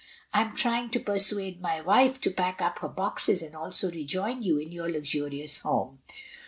I am trying to persuade my wife to pack up her boxes and also rejoin you in your luxurious home.